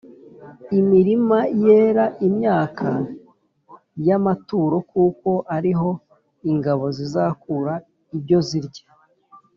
imirima yera imyaka y amaturo Kuko ari ho ingabo zizakura ibyo zirya